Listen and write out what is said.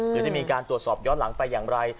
หรือจะมีการตรวจสอบย้อนหลังไปอย่างไร